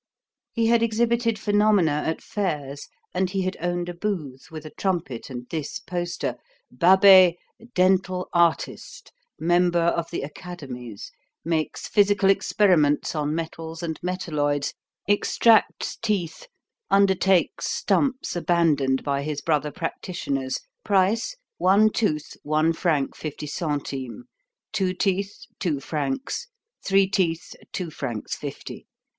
He had exhibited phenomena at fairs, and he had owned a booth with a trumpet and this poster: "Babet, Dental Artist, Member of the Academies, makes physical experiments on metals and metalloids, extracts teeth, undertakes stumps abandoned by his brother practitioners. Price: one tooth, one franc, fifty centimes; two teeth, two francs; three teeth, two francs, fifty.